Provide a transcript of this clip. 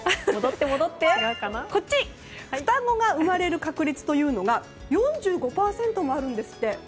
双子が生まれる確率というのが４５％もあるんですって。